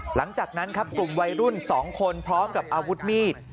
หลังจากนั้นครับกลุ่มวัยรุ่น๒คนพร้อมกับอาวุธมีด